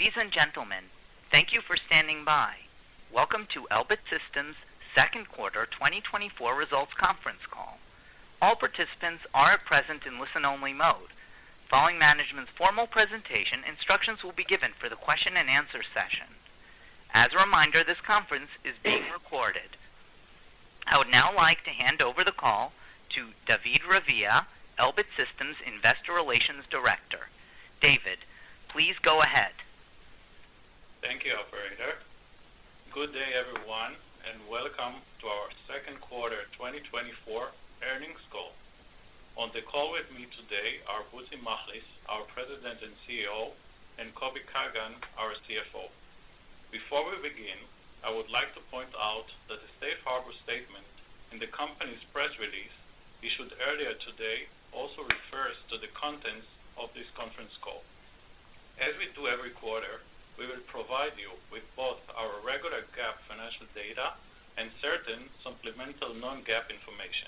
Ladies and gentlemen, thank you for standing by. Welcome to Elbit Systems Q2 2024 results conference call. All participants are at present in listen-only mode. Following management's formal presentation, instructions will be given for the question and answer session. As a reminder, this conference is being recorded. I would now like to hand over the call to David Ravia, Elbit Systems Investor Relations Director. David, please go ahead. Thank you, operator. Good day, everyone, and welcome to our Q2 2024 earnings call. On the call with me today are Butzi Machlis, our President and CEO, and Kobi Kagan, our CFO. Before we begin, I would like to point out that the safe harbor statement in the company's press release, issued earlier today, also refers to the contents of this conference call. As we do every quarter, we will provide you with both our regular GAAP financial data and certain supplemental non-GAAP information.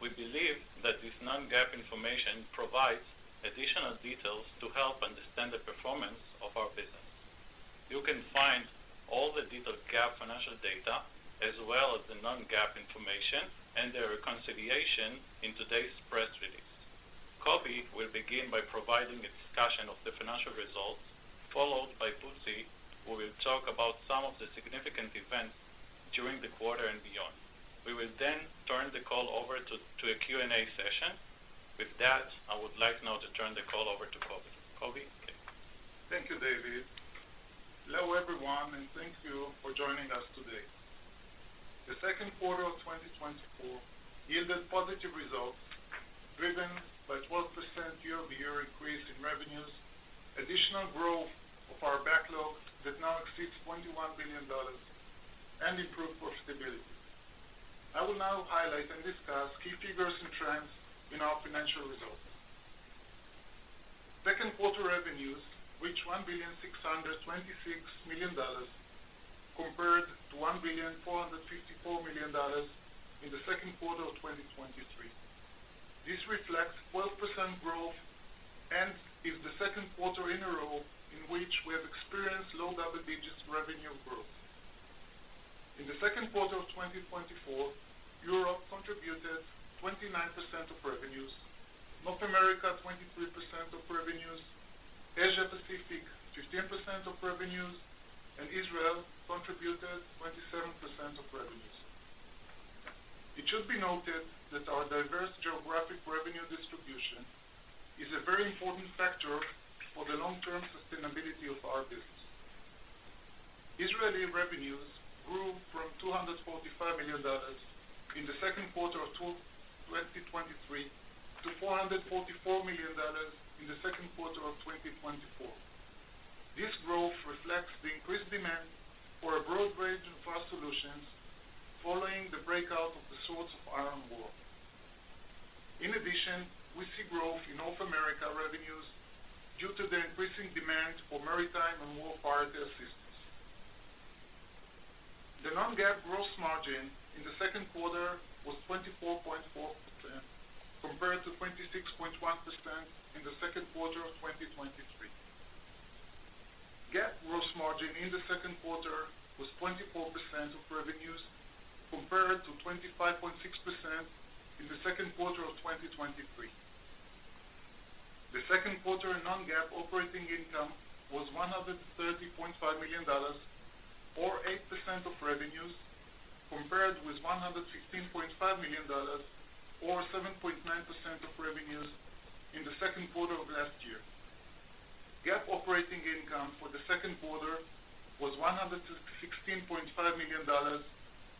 We believe that this non-GAAP information provides additional details to help understand the performance of our business. You can find all the detailed GAAP financial data, as well as the non-GAAP information and their reconciliation in today's press release. Kobi will begin by providing a discussion of the financial results, followed by Butzi, who will talk about some of the significant events during the quarter and beyond. We will then turn the call over to a Q&A session. With that, I would like now to turn the call over to Kobi. Kobi? Thank you, David. Hello, everyone, and thank you for joining us today. The Q2 of 2024 yielded positive results, driven by 12% year-over-year increase in revenues, additional growth of our backlog that now exceeds $21 billion, and improved profitability. I will now highlight and discuss key figures and trends in our financial results. Q2 revenues, which $1,626 million compared to $1,454 million in the Q2 of 2023. This reflects 12% growth and is the Q2 in a row in which we have experienced low double-digit revenue growth. In the Q2 of 2024, Europe contributed 29% of revenues, North America, 23% of revenues, Asia Pacific, 15% of revenues, and Israel contributed 27% of revenues. It should be noted that our diverse geographic revenue distribution is a very important factor for the long-term sustainability of our business. Israeli revenues grew from $245 million in the Q2 of 2023 to $444 million in the Q2 of 2024. This growth reflects the increased demand for a broad range of our solutions following the breakout of the Swords of Iron War. In addition, we see growth in North America revenues due to the increasing demand for maritime and war priority assistance. The non-GAAP gross margin in the Q2 was 24.4%, compared to 26.1% in the Q2 of 2023. GAAP gross margin in the Q2 was 24% of revenues, compared to 25.6% in the Q2 of 2023. The Q2 non-GAAP operating income was $130.5 million, or 8% of revenues, compared with $116.5 million, or 7.9% of revenues in the Q2 of last year. GAAP operating income for the Q2 was $116.5 million,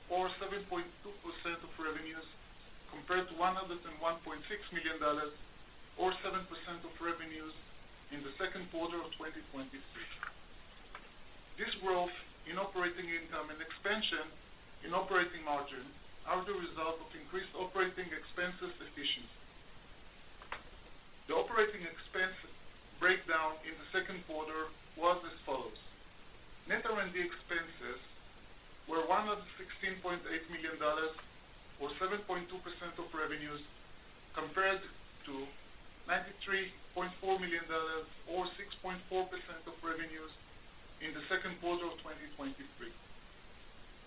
or 7.2% of revenues, compared to $101.6 million, or 7% of revenues in the Q2 of 2023. This growth in operating income and expansion in operating margin are the result of increased operating expenses efficiency. The operating expense breakdown in the Q2 was as follows: Net R&D expenses were $116.8 million, or 7.2% of revenues, compared to $93.4 million, or 6.4% of revenues in the Q2 of 2023.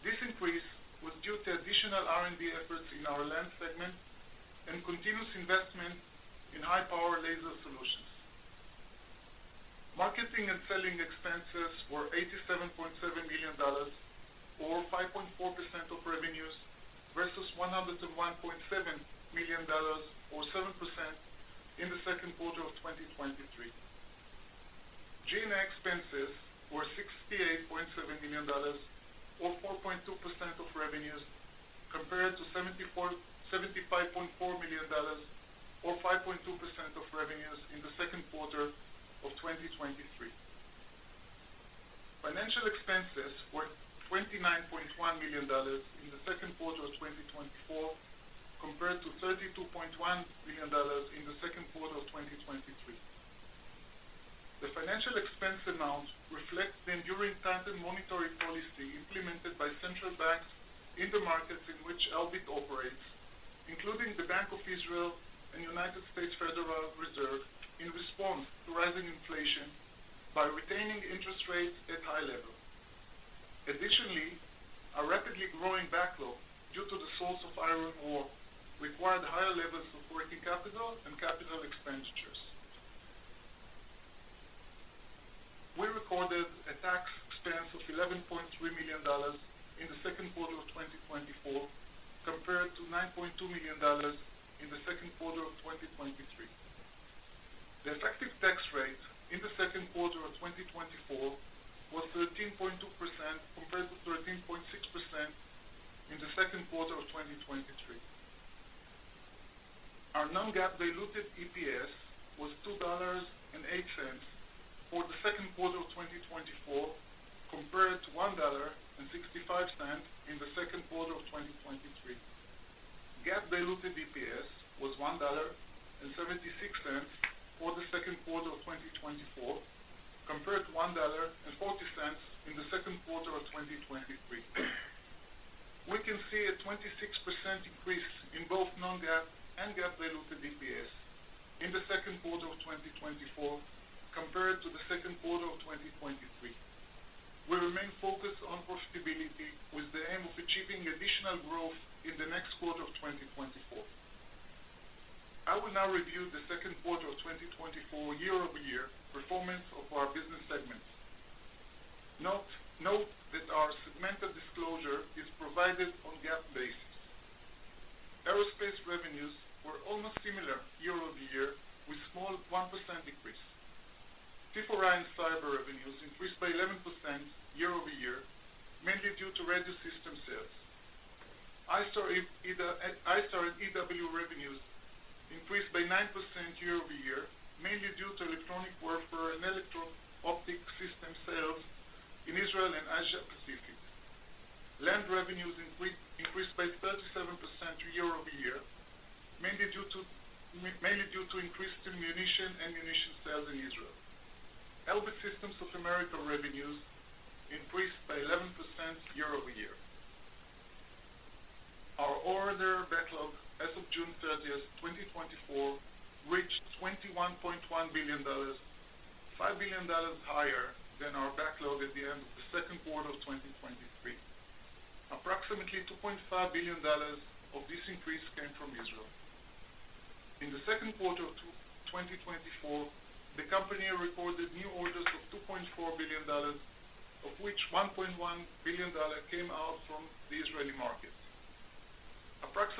This increase was due to additional R&D efforts in our land segment and continuous investment in high power laser solutions. Marketing and selling expenses were $87.7 million, or 5.4% of revenues, versus $101.7 million, or 7% in the Q2 of 2023. G&A expenses were $68.7 million, or 4.2% of revenues, compared to $74.75 million, or 5.2% of revenues in the Q2 of 2023. Financial expenses were $29.1 million in the Q2 of 2024, compared to $32.1 million in the Q2 of 2023. The financial expense amount reflects the enduring tightening monetary policy implemented by central banks in the markets in which Elbit operates, including the Bank of Israel and US Federal Reserve, in response to rising inflation by retaining interest rates at high level. Additionally, a rapidly growing backlog due to the surge in orders required higher levels of working capital and capital expenditures. We recorded a tax expense of $11.3 million in the Q2 of 2024, compared to $9.2 million in the Q2 of 2023. The effective tax rate in the Q2 of 2024 was 13.2%, compared to 13.6% in the Q2 of 2023. Our non-GAAP diluted EPS was $2.08 for the Q2 of 2024, compared to $1.65 in the Q2 of 2023. GAAP diluted EPS was $1.76 for the Q2 of 2024, compared to $1.40 in the Q2 of 2023. We can see a 26% increase in both non-GAAP and GAAP diluted EPS in the Q2 of 2024 compared to the Q2 of 2023. We remain focused on profitability, with the aim of achieving additional growth in the next quarter of 2024. I will now review the Q2 of 2024 year-over-year performance of our business segments. Note that our segmented disclosure is provided on GAAP basis. Aerospace revenues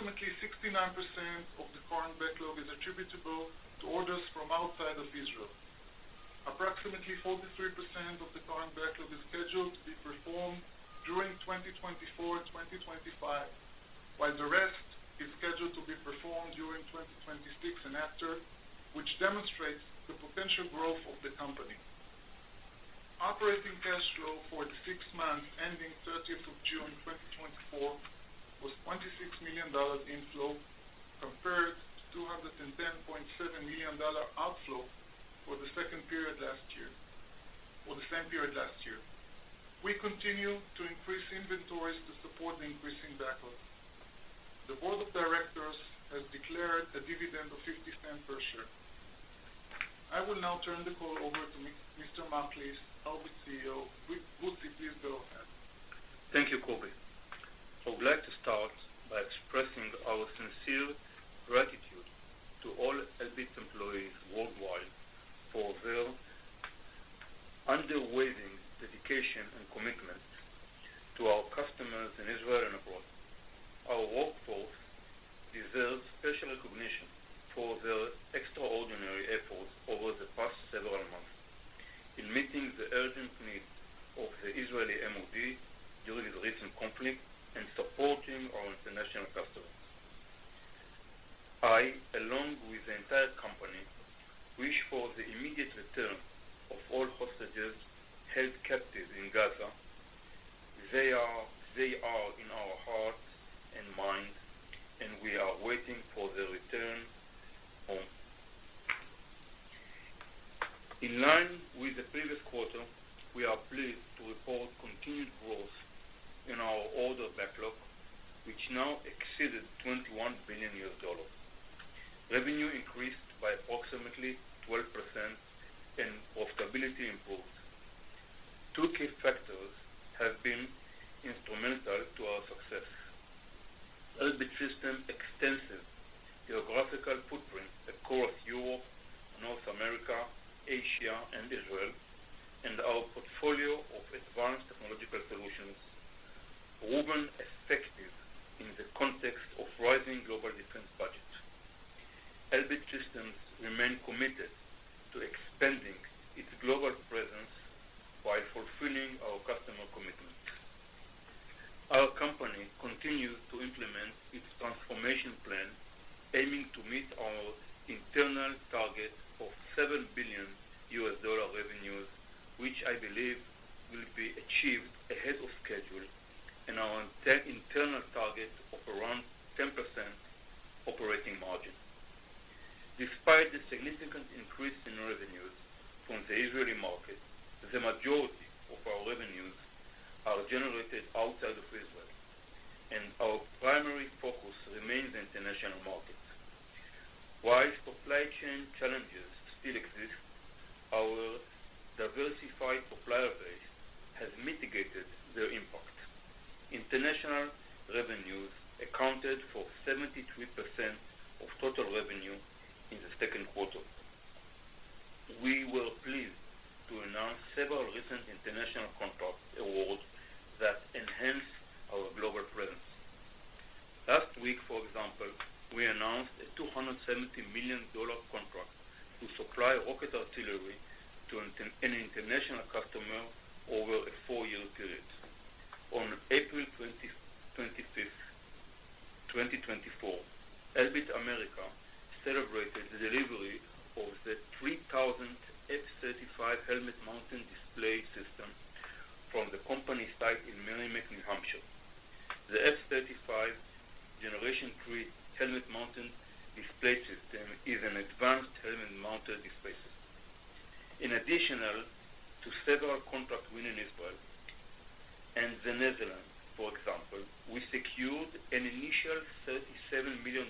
Approximately 69% of the current backlog is attributable to orders from outside of Israel. Approximately 43% of the current backlog is scheduled to be performed during 2024 and 2025, while the rest is scheduled to be performed during 2026 and after, which demonstrates the potential growth of the company. Operating cash flow for the six months ending 30th of June, 2024, was $26 million inflow, compared to $210.7 million dollar outflow for the second period last year, or the same period last year. We continue to increase inventories to support the increasing backlog. The board of directors has declared a dividend of $0.50 per share. I will now turn the call over to Mr. Machlis, Elbit CEO. Butzi, please go ahead. Thank you, Kobi. I would like to start by expressing our sincere gratitude to all Elbit employees worldwide for their unwavering dedication and commitment to our customers in Israel and abroad. Our workforce deserves special recognition for their extraordinary efforts over the past several months in meeting the urgent needs of the Israeli MoD during the recent conflict and supporting our international customers. I, along with the entire company, wish for the immediate return of all hostages held captive in Gaza. They are, they are in our hearts and mind, and we are waiting for their return home. In line with the previous quarter, we are pleased to report continued growth in our order backlog, which now exceeded $21 billion. Revenue increased by approximately 12%, and profitability improved. Two key factors have been instrumental to our success. Elbit Systems extensive geographical footprint across Europe, North America, Asia, and Israel, and our portfolio of advanced technological solutions proven effective in the context of rising global defense budgets. Elbit Systems remain committed to expanding its global presence while fulfilling our customer commitments. Our company continues to implement its transformation plan, aiming to meet our internal target of $7 billion revenues, which I believe will be achieved ahead of schedule, and our internal target of around 10% operating margin. Despite the significant increase in revenues from the Israeli market, the majority of our revenues are generated outside of Israel, and our primary focus remains international markets. While supply chain challenges still exist, our diversified supplier base has mitigated their impact. International revenues accounted for 73% of total revenue in the Q2. We were pleased to announce several recent international contract awards that enhance our global presence. Last week, for example, we announced a $270 million contract to supply rocket artillery to an international customer over a 4-year period. On April 25th, 2024, Elbit Systems of America celebrated the delivery of the 3,000 F-35 helmet-mounted display system from the company's site in Merrimack, New Hampshire. The F-35 generation 3 helmet-mounted display system is an advanced helmet-mounted display system. In addition to several contracts within Israel and the Netherlands, for example, we secured an initial $37 million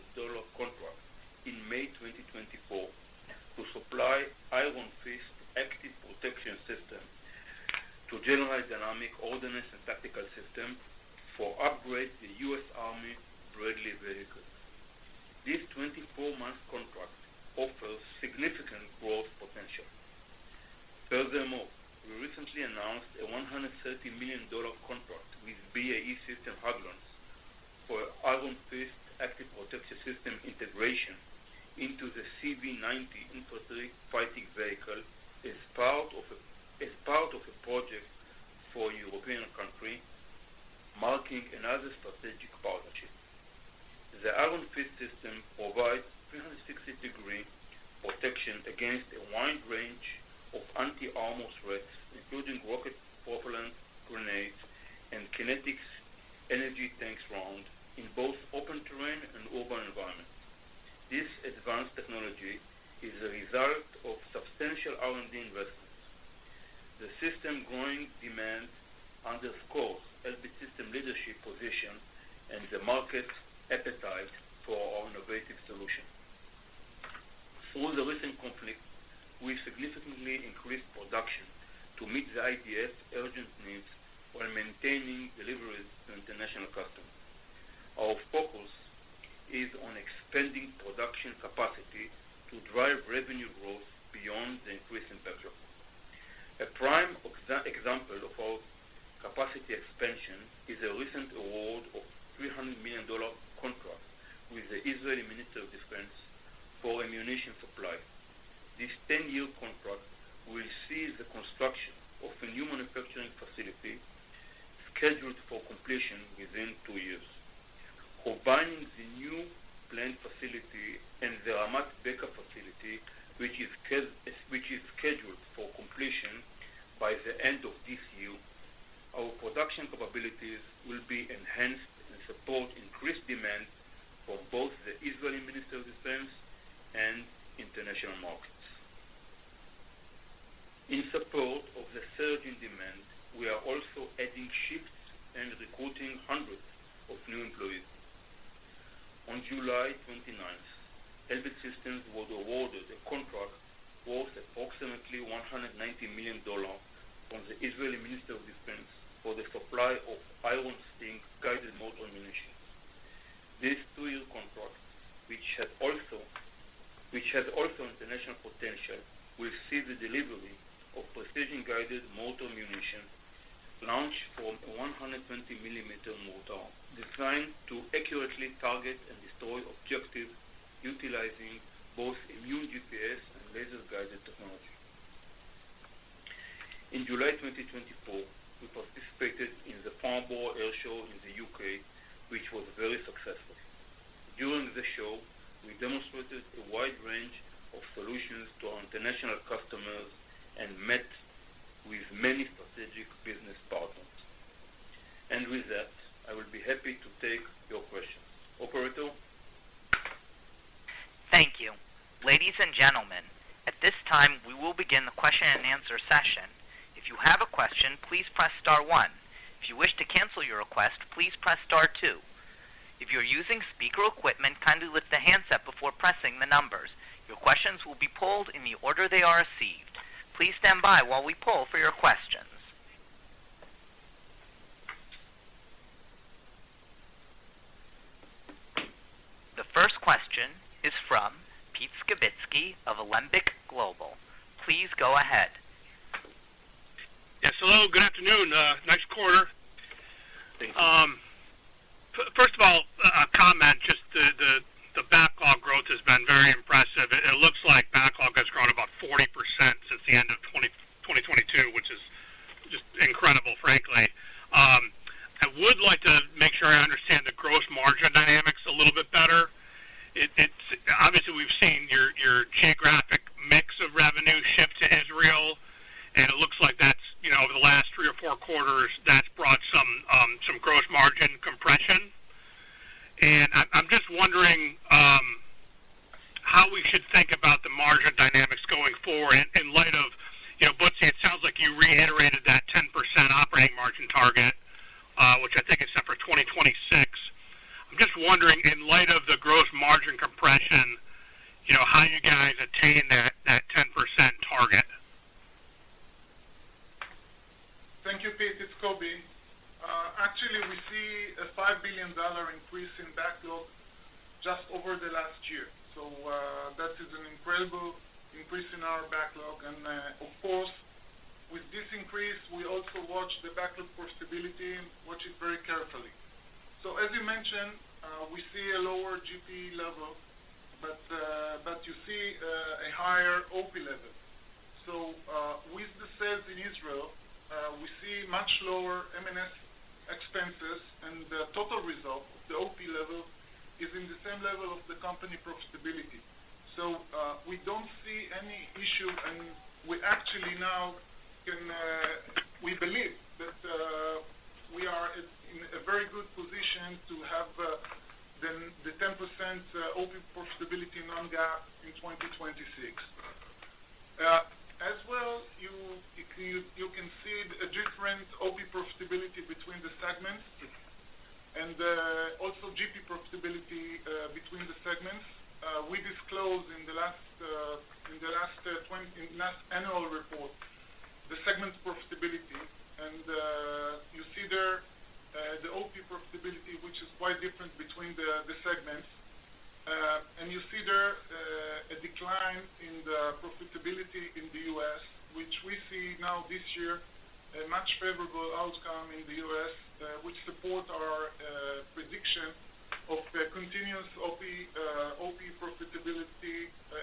in budget. A prime example of our capacity expansion is a recent award of a $300 million contract with the Israeli Ministry of Defense for ammunition supply. This 10-year contract will see the construction of a new manufacturing facility, scheduled for completion within two years. Combining the new planned facility and the Ramat Beka facility, which is scheduled for completion by the end of this year, our production capabilities will be enhanced and support increased demand for both the Israeli Ministry of Defense and international markets. In support of the surge in demand, we are also adding shifts and recruiting hundreds of new employees. On July 29, Elbit Systems was awarded a contract worth approximately $190 million from the Israeli Ministry of Defense for the supply of Iron Sting guided mortar ammunition. This two-year contract, which had also international potential, will see the delivery of precision-guided mortar munition, launched from a 120-millimeter mortar, designed to accurately target and destroy objectives utilizing both inertial GPS and laser-guided technology. In July 2024, we participated in the Farnborough Airshow in the UK, which was very successful. During the show, we demonstrated a wide range of solutions to our international customers and met with many strategic business partners. With that, I will be happy to take your questions. Operator? Thank you. Ladies and gentlemen, at this time, we will begin the question and answer session. If you have a question, please press star one. If you wish to cancel your request, please press star two. If you're using speaker equipment, kindly lift the handset before pressing the numbers. Your questions will be polled in the order they are received. Please stand by while we poll for your questions. The first question is from Pete Skibitski of Alembic Global. Please go ahead. Yes, hello, good afternoon. Nice quarter. Thank you. First of all, a comment, just the backlog growth has been very impressive. It looks like backlog has grown about 40% since the end of 2022, which is just incredible, frankly. I would like to make sure I understand the growth margin dynamics a little bit better. It's obvious we've seen As well, you can see a different OP profitability between the segments, and also GP profitability between the segments. We disclosed in the last annual report, the segment's profitability. And you see there, the OP profitability, which is quite different between the segments. And you see there, a decline in the profitability in the US, which we see now this year, a much favorable outcome in the US, which support our prediction of the continuous OP profitability expansion. So,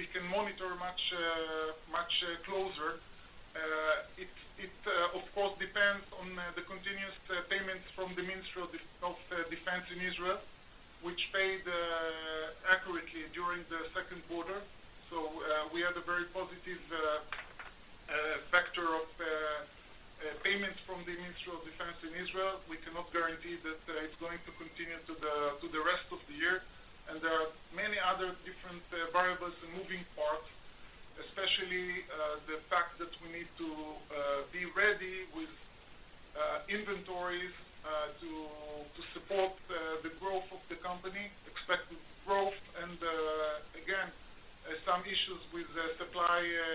can monitor much closer. It of course depends on the continuous payments from the Ministry of Defense in Israel, which paid accurately during the Q2. So we had a very positive factor of payments from the Ministry of Defense in Israel. We cannot guarantee that it's going to continue to the rest of the year, and there are many other different variables and moving parts, especially the fact that we need to be ready with inventories to support the growth of the company, expected growth, and again, some issues with the supply with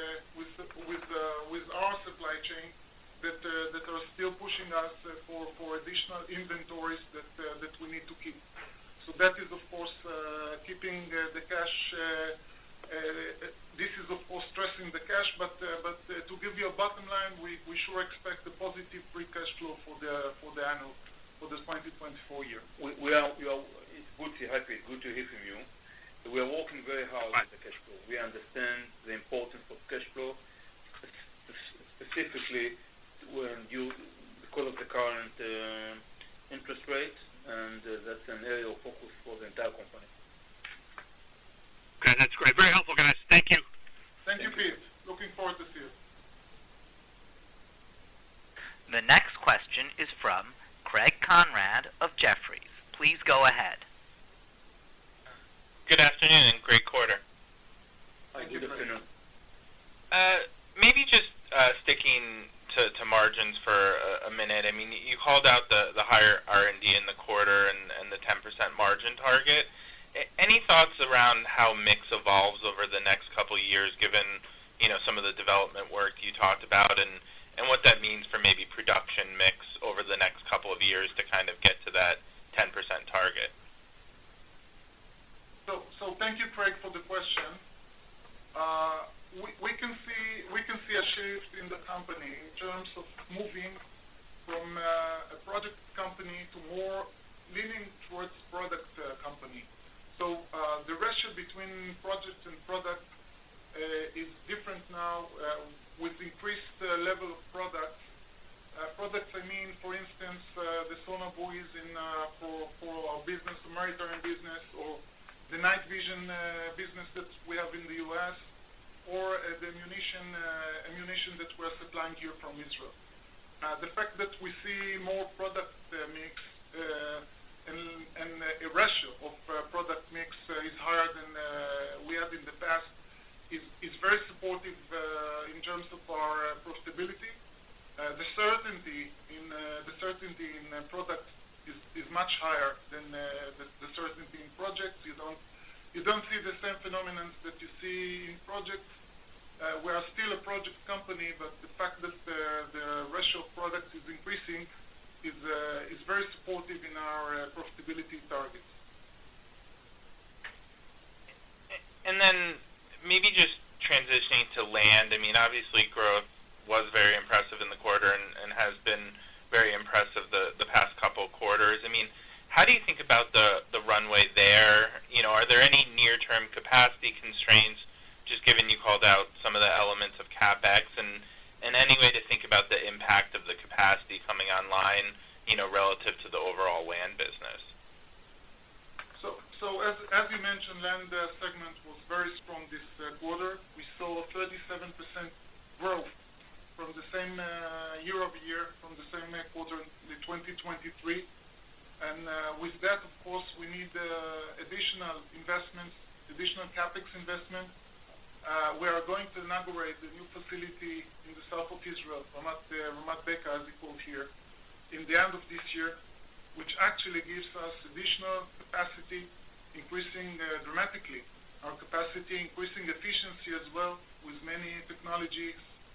We can see a shift in the company in terms of moving from a project company to more leaning towards product company. So the ratio between projects and products is different now with increased level of products. Products, I mean, for instance, the Sonobuoy is in for our business, the maritime business, or the night vision business that we have in the US, or the ammunition that we're supplying here from Israel. The fact that we see more product mix and a ratio of product mix is higher than we have in the past is very supportive in terms of our profitability. The certainty in product is much higher than the certainty in projects. You don't see the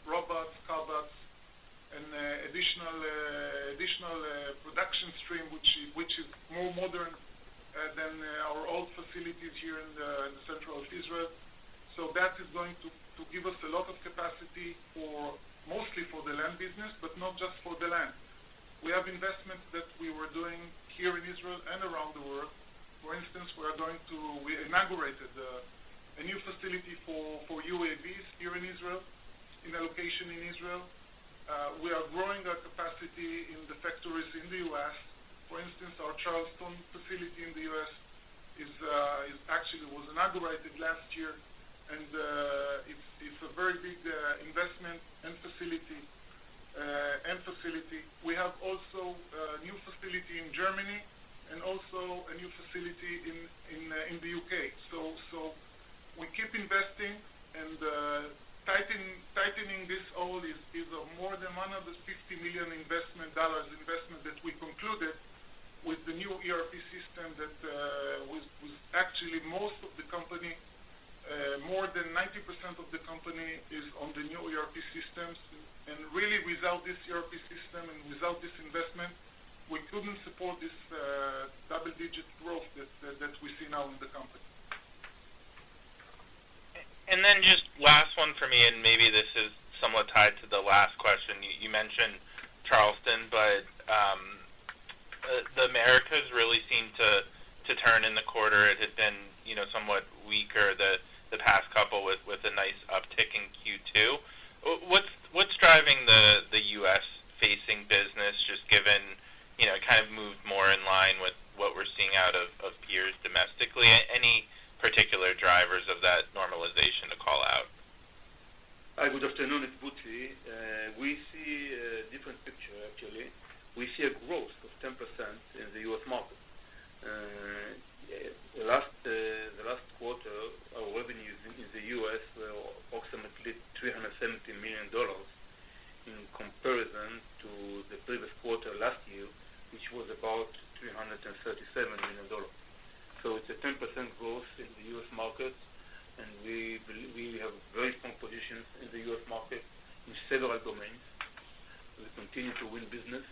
robots, cobots, and additional production stream, which is more modern than our old facilities here in the central of Israel. So that is going to give us a lot of capacity for, mostly for the land business, but not just for the land. We have investments that we were doing here in Israel and around the world. For instance, We inaugurated a new facility for UAVs here in Israel, in a location in Israel. We are growing our capacity in the factories in the US For instance, our Charleston facility in the US is actually was inaugurated last year, and it's a very big investment and facility, and facility. We have also a new facility in Germany and also a new facility in the U.K. So, we keep investing, and tightening this all is more than the $50 million investment that we concluded with the new ERP system that was actually most of the company. More than 90% of the company is on the new ERP systems. And really, without this ERP system and without this investment, we couldn't support this double-digit growth that we see now in the company. And then just last one for me, and maybe this is somewhat tied to the last question. You mentioned Charleston, but the Americas really seemed to turn in the quarter. It had been, you know, somewhat weaker the past couple with a nice uptick in Q2. What's driving the US-facing business, just given, you know, it kind of moved more in line with what we're seeing out of peers domestically? Any particular drivers of that normalization to call out? Hi, good afternoon, it's Butzi. We see a different picture, actually. We see a growth of 10% in the US market. Last, the last quarter, our revenues in the US were approximately $370 million, in comparison to the previous quarter last year, which was about $337 million. So it's a 10% growth in the US market, and we believe we have very strong position in the US market in several domains. We continue to win business,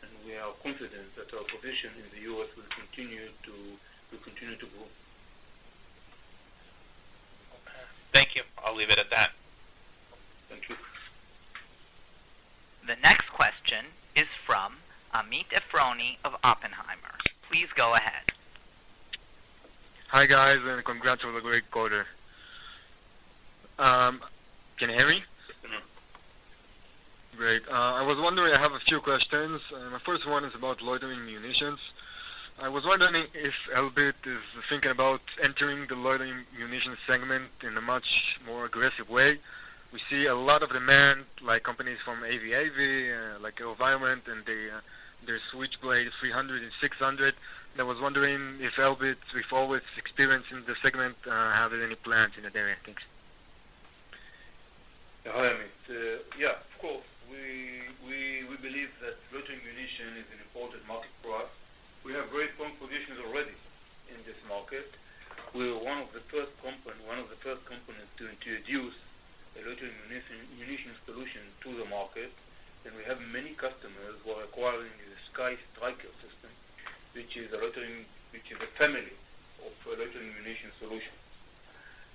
and we are confident that our position in the US will continue to, will continue to grow. Thank you. I'll leave it at that. Thank you. The next question is from Amit Efroni of Oppenheimer. Please go ahead. Hi, guys, and congrats on the great quarter. Can you hear me? Yes, we can. Great. I was wondering, I have a few questions. My first one is about loitering munitions. I was wondering if Elbit is thinking about entering the loitering munition segment in a much more aggressive way. We see a lot of demand, like companies from AVAV, like AeroVironment and the, their Switchblade 300 and 600. I was wondering if Elbit, with all its experience in the segment, have any plans in that area. Thanks. Hi, Amit. Yeah, of course, we believe that loitering munition is an important market for us. We have very strong positions already in this market. We were one of the first company, one of the first companies to introduce a loitering munition solution to the market, and we have many customers who are acquiring the SkyStriker.... which is a family of loitering ammunition solutions.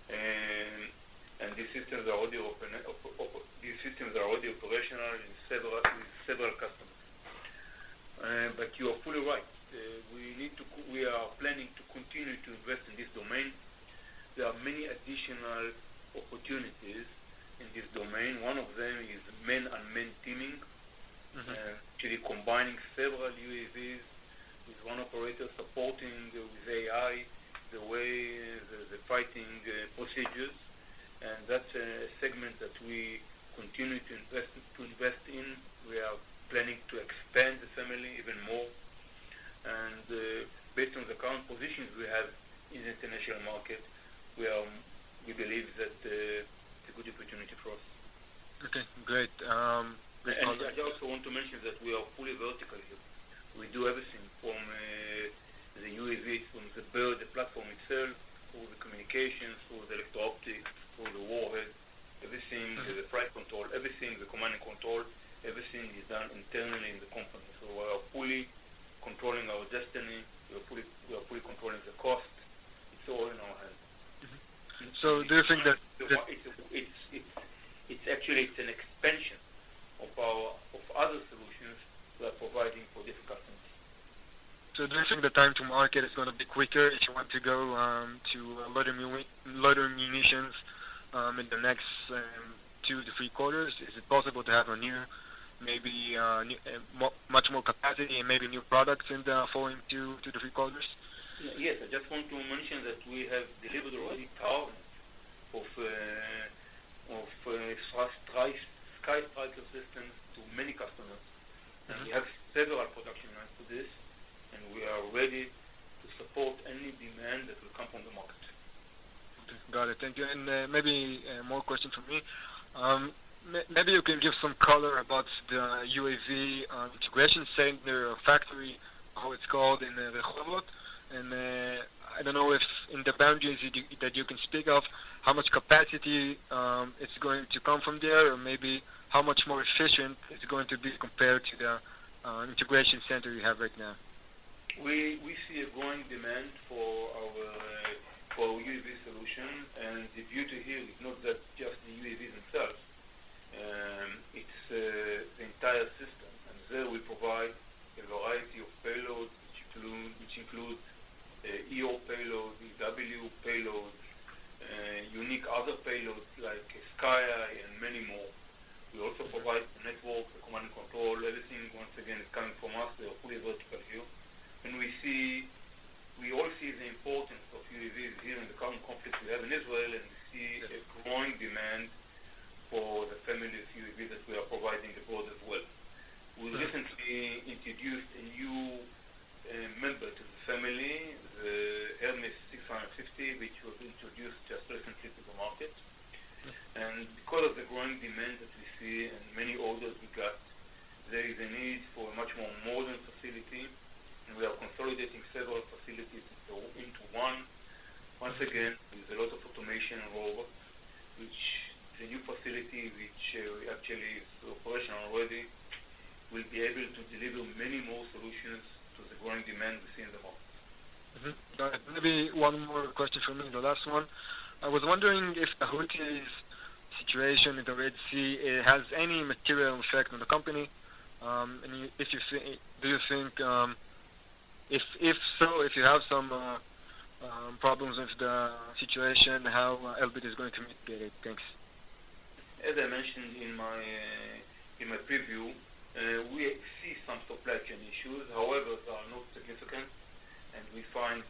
And these systems are already operational with several customers. But you are fully right, we are planning to continue to invest in this domain. There are many additional opportunities in this domain. One of them is manned-unmanned teaming. Mm-hmm. Actually combining several UAVs with one operator, supporting with AI, the way the fighting procedures. And that's a segment that we continue to invest in. We are planning to expand the family even more, and based on the current positions we have in the international market, we believe that it's a good opportunity for us. Okay, great. I also want to mention that we are fully vertical here. We do everything from the UAV, from the build, the platform itself, all the communications, all the electro-optics, all the warhead, everything- Mm-hmm. The price control, everything, the command and control, everything is done internally in the company. So we are fully controlling our destiny, we are fully, we are fully controlling the cost. It's all in our hands. Mm-hmm. So do you think that- It's actually an expansion of our other solutions we are providing for different customers. So do you think the time to market is gonna be quicker if you want to go to loitering munitions in the next two to three quarters? Is it possible to have a new, maybe, new, much more capacity and maybe new products in the following two to three quarters? Yes. I just want to mention that we have delivered already thousands of SkyStriker systems to many customers. Mm-hmm. And we have several production lines for this, and we are ready to support any demand that will come from the market. Got it. Thank you. And maybe more question from me. Maybe you can give some color about the UAV integration center or factory, how it's called in Rehovot. And I don't know if in the boundaries that you can speak of, how much capacity is going to come from there, or maybe how much more efficient it's going to be compared to the integration center you have right now. We see a growing demand for our UAV solution, and the beauty here is not that just the UAVs themselves, it's the entire system. And there we provide a variety of payloads, which include EO payloads, EW payloads, unique other payloads like SkEye and many more. We also provide the network, the command and control. Everything, once again, is coming from us. We are fully vertical here, and we see... We all see the importance of UAVs here in the current conflict we have in Israel, and we see a growing demand for the family of UAVs that we are providing abroad as well. Mm-hmm. We recently introduced a new member to the family, the Hermes 650, which was introduced just recently to the market. Because of the growing demand that we see and many orders we got, there is a need for a much more modern facility, and we are consolidating several facilities into one. Once again, with a lot of automation and robots, which the new facility, which actually is operational already, will be able to deliver many more solutions to the growing demand we see in the market. Mm-hmm. Got it. Maybe one more question from me, the last one. I was wondering if Houthis' situation in the Red Sea, it has any material effect on the company? And if you see, do you think, if so, if you have some problems with the situation, how Elbit is going to mitigate it? Thanks. As I mentioned in my preview, we see some supply chain issues. However, they are not significant, and we find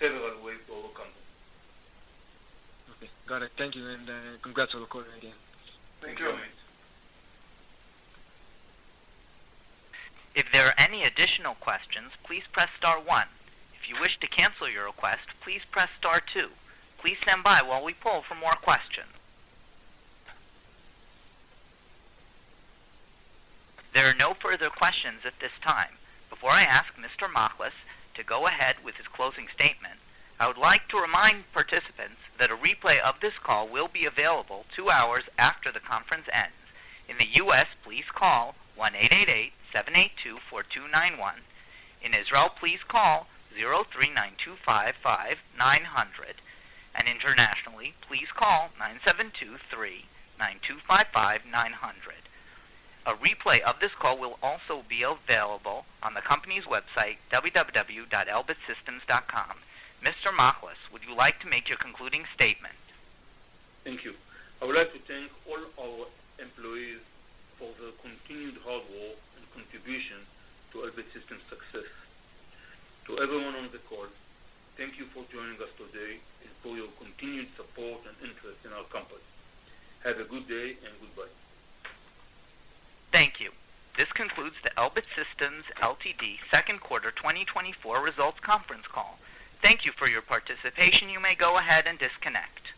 several ways to overcome them. Okay. Got it. Thank you, and congrats on the quarter again. Thank you. If there are any additional questions, please press star one. If you wish to cancel your request, please press star two. Please stand by while we poll for more questions. There are no further questions at this time. Before I ask Mr. Machlis to go ahead with his closing statement, I would like to remind participants that a replay of this call will be available 2 hours after the conference ends. In the US, please call 1-888-782-4291. In Israel, please call 03-925-5900, and internationally, please call 9-723-925-5900. A replay of this call will also be available on the company's website, www.elbitsystems.com. Mr. Machlis, would you like to make your concluding statement? Thank you. I would like to thank all our employees for their continued hard work and contribution to Elbit Systems success. To everyone on the call, thank you for joining us today and for your continued support and interest in our company. Have a good day, and goodbye. Thank you. This concludes the Elbit Systems Ltd. Q2 2024 results conference call. Thank you for your participation. You may go ahead and disconnect.